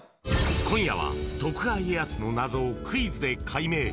今夜は徳川家康の謎をクイズで解明。